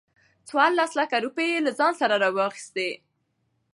څورلس لکه روپۍ يې له ځان سره واخستې.